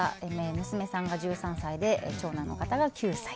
娘さんが１３歳で長男の方が９歳。